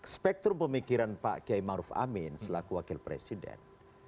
spektrum pemikiran pak kiai maruf amin selaku wakil presiden